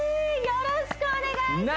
よろしくお願いします